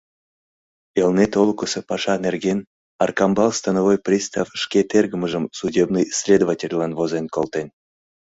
Элнет олыкысо паша нерген Аркамбал становой пристав шке тергымыжым судебный следовательлан возен колтен.